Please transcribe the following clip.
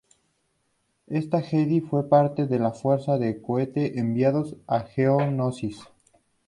Esta Jedi fue parte de la fuerza de choque enviada a Geonosis.